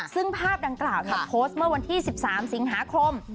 ซึ่งภาพดังกล่าวโพสต์เมื่อวันที่๑๓สิงหาคม